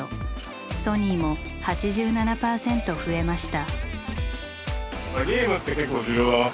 ＳＯＮＹも８７％増えました。